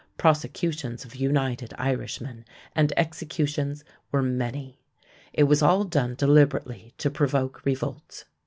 Prosecutions of United Irishmen and executions were many. It was all done deliberately to provoke revolt.